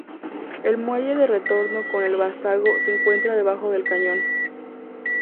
El muelle de retorno con el vástago se encuentra debajo del cañón.